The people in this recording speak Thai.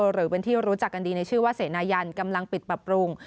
หรือเป็นที่รู้จักกันดีในชื่อว่าเสนายันกำลังปิดปรับปรุง